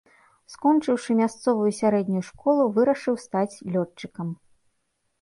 Скончыўшы мясцовую сярэднюю школу, вырашыў стаць лётчыкам.